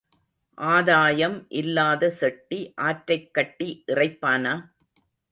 ஆதாயம் இல்லாத செட்டி ஆற்றைக் கட்டி இறைப்பானா?